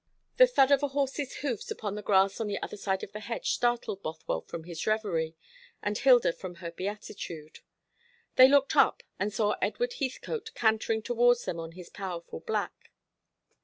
The thud of a horse's hoofs upon the grass on the other side of the hedge startled Bothwell from his reverie, and Hilda from her beatitude. They looked up, and saw Edward Heathcote cantering towards them on his powerful black.